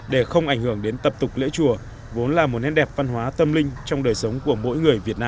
để không ảnh hưởng đến tập tục lễ chùa vốn là một nét đẹp văn hóa tâm linh trong đời sống của mỗi người việt nam